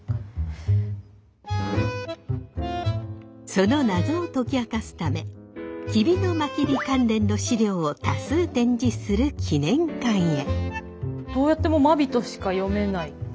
そのナゾを解き明かすため吉備真備関連の資料を多数展示する記念館へ。